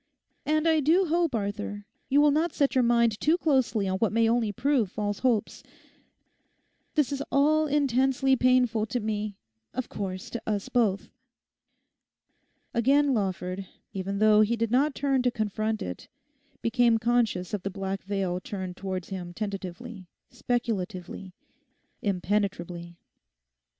And I do hope, Arthur, you will not set your mind too closely on what may only prove false hopes. This is all intensely painful to me; of course, to us both.' Again Lawford, even though he did not turn to confront it, became conscious of the black veil turned towards him tentatively, speculatively, impenetrably.